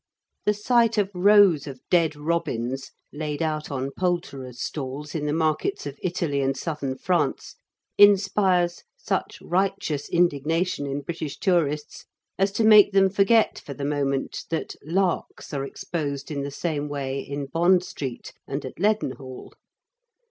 The sight of rows of dead robins laid out on poulterers' stalls in the markets of Italy and southern France inspires such righteous indignation in British tourists as to make them forget for the moment that larks are exposed in the same way in Bond Street and at Leadenhall.